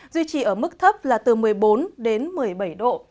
duy trì ở mức thấp là từ một mươi bốn đến một mươi bảy độ